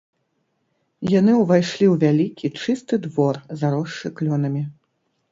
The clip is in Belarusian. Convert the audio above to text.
Яны ўвайшлі ў вялікі, чысты двор, заросшы клёнамі.